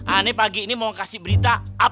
aneh pagi ini mau kasih berita up to date